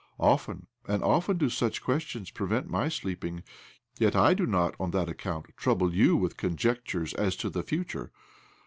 Often and often do such questions prevent my sleep ing ; yet I do not, on that account, trouble yofi with conjectures as to the future.